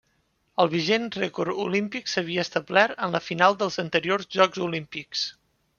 El vigent rècord olímpic s'havia establert en la final dels anteriors Jocs Olímpics.